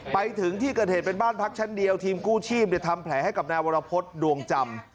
ไปถึงที่เกิดเหตุเป็นบ้านพักชั้นเดียวทีมกู้ชีพทำแผลให้กับนายวรพฤษดวงจำ